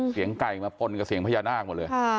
เสียงไก่มาปนกับเสียงพญานาคหมดเลย